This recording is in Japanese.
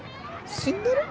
死んでる？